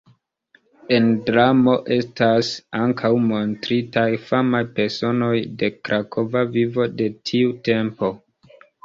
En dramo estas ankaŭ montritaj famaj personoj de krakova vivo de tiu tempo.